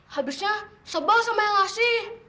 habisnya sebal sama yang ngasih